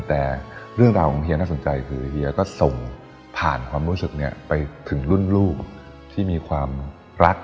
แต่เรื่องราวของเฮียน่าสนใจคือเฮียก็ส่งผ่านความรู้สึกเนี่ยไปถึงรุ่นลูกที่มีความรัก